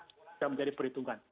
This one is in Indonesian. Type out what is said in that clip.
bisa menjadi perhitungan